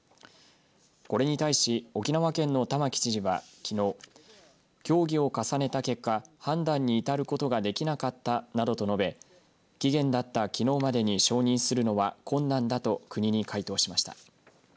これに対し、沖縄県の玉城知事はきのう協議を重ねた結果判断に至ることができなかったなどと述べ期限だったきのうまでに承認するのは困難だと国に回答しました。